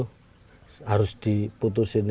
harus diputuskan ini kakinya